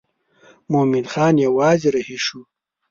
مومن خان یوازې رهي شو.